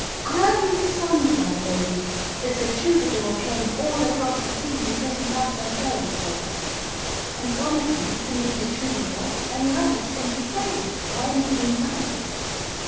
I'll be the Sunflower lady that the Troubadour came all across the sea, because he loved her so, for, and one of you can be the Troubadour, and the others can be sailors or anything you like.'